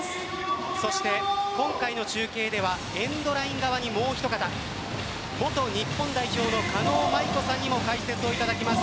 今回の中継ではエンドライン側にもう一方元日本代表の狩野舞子さんにも解説をいただきます。